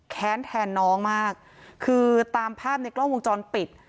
แค้นแทนน้องมากคือตามภาพในกล้องวงจรปิด